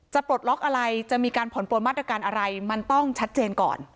ปลดล็อกอะไรจะมีการผ่อนปลนมาตรการอะไรมันต้องชัดเจนก่อน